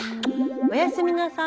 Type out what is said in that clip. おやすみなさい。